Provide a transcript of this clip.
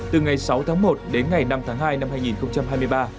từ ngày sáu tháng một đến ngày năm tháng hai năm hai nghìn hai mươi ba